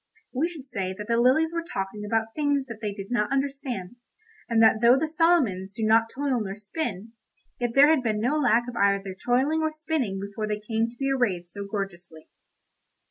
We should say that the lilies were talking about things that they did not understand, and that though the Solomons do not toil nor spin, yet there had been no lack of either toiling or spinning before they came to be arrayed so gorgeously.